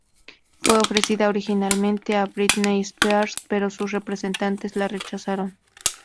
Fue ofrecida originalmente a Britney Spears, pero sus representantes la rechazaron.